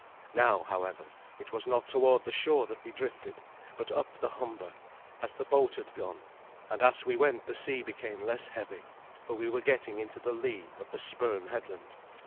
Now, however, it was not toward the shore that we drifted, but up the Humber, as the boat had gone; and as we went the sea became less heavy, for we were getting into the lee of the Spurn headland.